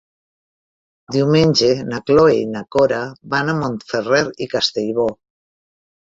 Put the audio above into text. Diumenge na Cloè i na Cora van a Montferrer i Castellbò.